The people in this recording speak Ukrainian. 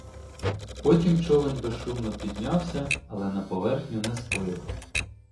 Потім човен безшумно піднявся, але на поверхню не сплив.